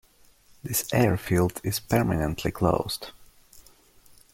This airfield is permanently closed.